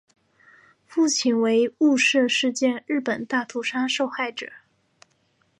父亲为雾社事件日军大屠杀受害者。